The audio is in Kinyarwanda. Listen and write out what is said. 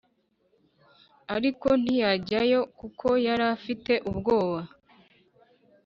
ariko ntiyajyayo kuko yari afite ubwoba